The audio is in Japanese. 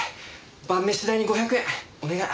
晩飯代に５００円お願い。